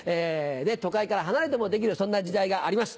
都会から離れてもできるそんな時代があります。